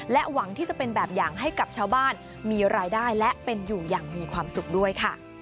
หวังที่จะเป็นแบบอย่างให้กับชาวบ้านมีรายได้และเป็นอยู่อย่างมีความสุขด้วยค่ะ